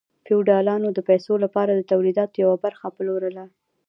فیوډالانو د پیسو لپاره د تولیداتو یوه برخه پلورله.